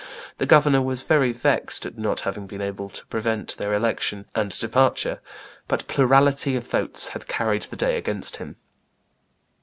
The governor was very vexed at not having been able to prevent their election and departure; but plurality of votes had carried the day against him."